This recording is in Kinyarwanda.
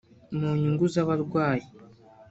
mu nyungu z’abarwayi